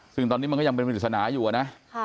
ซึ่งตอนนี้มันก็ยังเป็นปริศนาอยู่นะ